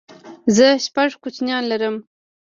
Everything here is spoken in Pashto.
زه شپږ کوچنيان لرم